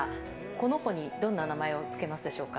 この子にどんな名前を付けますでしょうか？